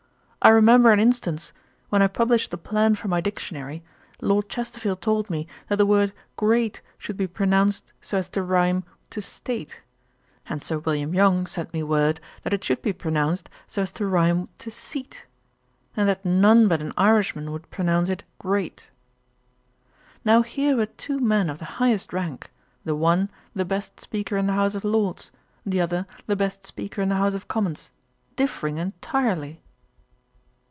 I remember an instance: when I published the Plan for my Dictionary, Lord Chesterfield told me that the word great should be pronounced so as to rhyme to state; and Sir William Yonge sent me word that it should be pronounced so as to rhyme to seat, and that none but an Irishman would pronounce it grait. Now here were two men of the highest rank, the one, the best speaker in the House of Lords, the other, the best speaker in the House of Commons, differing entirely.'